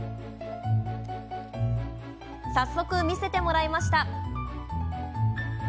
早速、見せてもらいました。